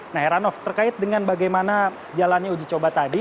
nah heranov terkait dengan bagaimana jalannya uji coba tadi